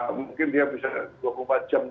atau mungkin dia bisa dua puluh empat jam